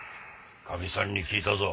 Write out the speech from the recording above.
かみさんに聞いたぞ。